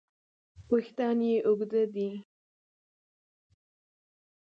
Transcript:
وېښتیان یې اوږده دي.